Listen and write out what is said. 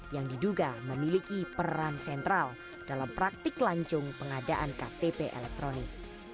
yang diduga memiliki peran sentral dalam praktik lancung pengadaan ktp elektronik